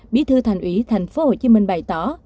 bí thư thành ủy tp hcm bày tỏ